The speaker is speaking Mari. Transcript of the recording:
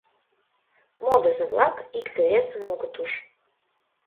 Модызо-влак икте-весым огыт уж.